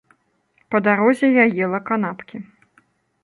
Па дарозе я ела канапкі.